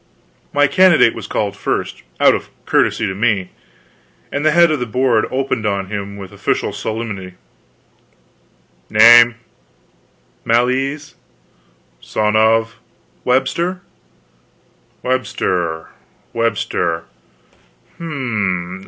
My candidate was called first, out of courtesy to me, and the head of the Board opened on him with official solemnity: "Name?" "Mal ease." "Son of?" "Webster." "Webster Webster.